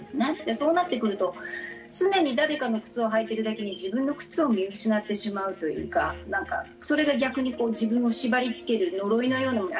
そうなってくると常に誰かの靴を履いているだけに自分の靴を見失ってしまうというかなんかそれが逆にこう自分を縛りつける呪いのようなものに。